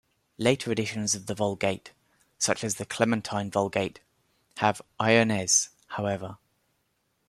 Later editions of the Vulgate, such as the Clementine Vulgate, have "Ioannes", however.